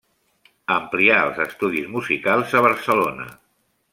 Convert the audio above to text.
Amplià els estudis musicals a Barcelona.